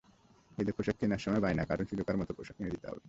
ঈদে পোশাক কেনার সময়ও বায়না, কার্টুনের সিজুকার মতো পোশাক কিনে দিতে হবে।